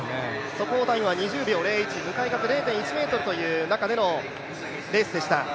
速報タイムは２０秒０１向かい風０．１メートルという中でのレースでした。